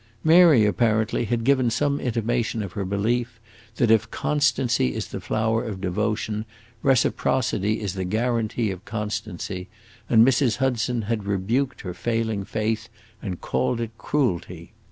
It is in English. Mary, apparently, had given some intimation of her belief that if constancy is the flower of devotion, reciprocity is the guarantee of constancy, and Mrs. Hudson had rebuked her failing faith and called it cruelty.